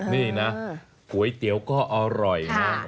นี่นะก๋วยเตี๋ยวก็อร่อยนะ